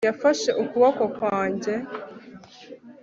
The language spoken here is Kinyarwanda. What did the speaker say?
Yafashe ukuboko kwanjye